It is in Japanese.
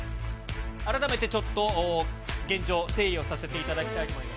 改めてちょっと現状、整理をさせていただきたいと思います。